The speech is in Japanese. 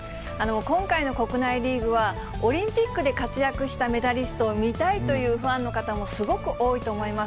今回の国内リーグは、オリンピックで活躍したメダリストを見たいというファンの方もすごく多いと思います。